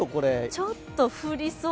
ちょっと降りそう？